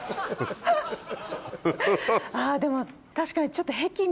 でも確かにちょっと。